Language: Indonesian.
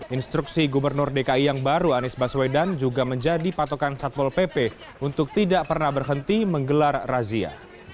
instruksi gubernur dki yang baru anies baswedan juga menjadi patokan satpol pp untuk tidak pernah berhenti menggelar razia